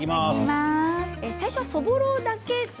最初そぼろだけ。